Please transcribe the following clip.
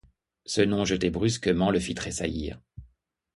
Ce nom, jeté brusquement, le fit tressaillir.